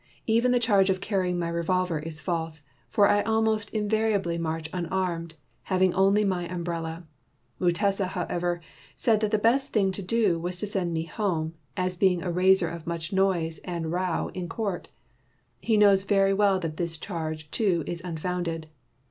Even the charge of carrying my revolver is false, for I almost invariably march unarmed, having only my umbrella. Mutesa, however, said that the best thing to do was to send me home, as being a raiser of much noise and row in court. He knows very well that this charge, too, is unfounded.